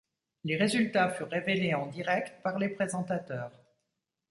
Les résultats furent révélés en direct par les présentateurs.